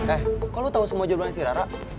eh kok lo tau semua jodohnya si rara